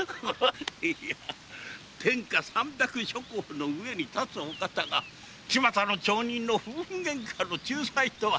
いや天下三百諸侯の上に立つ方が巷の町人の夫婦ゲンカの仲裁とは。